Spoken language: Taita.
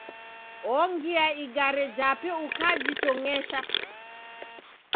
Ongia igare jape ukajitong'esha.